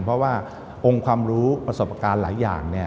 เพราะว่าองค์ความรู้ประสบการณ์หลายอย่าง